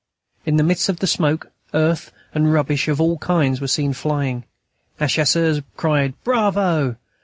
In the midst of the smoke, earth and rubbish of all kinds were seen flying. Our Chasseurs cried "Bravo!"